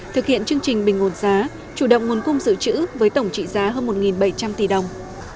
thực hiện chương trình bình ổn giá chủ động nguồn cung dự trữ với tổng trị giá hơn một bảy trăm linh tỷ đồng